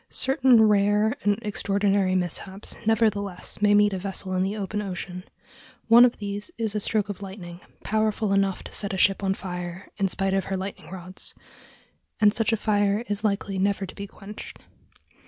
Certain rare and extraordinary mishaps nevertheless may meet a vessel in the open ocean. One of these is a stroke of lightning, powerful enough to set a ship on fire in spite of her lightning rods, and such a fire is likely never to be quenched.